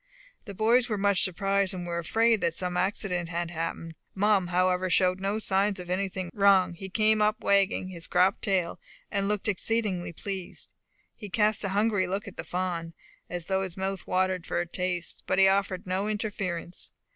The boys were much surprised, and were afraid some accident had happened. Mum, however, showed no signs of anything wrong; he came up wagging his cropped tail, and looking exceedingly pleased. He cast a hungry look at the fawn, as though his mouth watered for a taste, but he offered no interference.